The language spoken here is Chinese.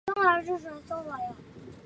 广西贺县人。